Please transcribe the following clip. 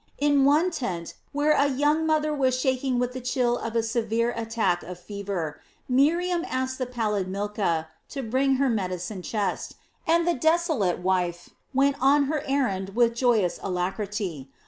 In one tent, where a young mother was shaking with the chill of a severe attack of fever, Miriam asked the pallid Milcah to bring her medicine chest, and the desolate wife went on her errand with joyous alacrity.